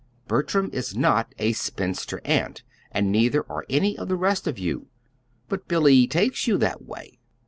Bertram is not a spinster aunt, and neither are any of the rest of you. But Billy takes you that way."